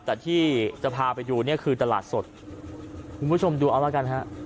แต่ที่จะพาไปดูเนี่ยคือตลาดสดคุณผู้ชมดูเอาละกันฮะ